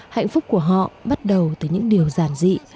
hạnh phúc của họ bắt đầu từ những điều giản dị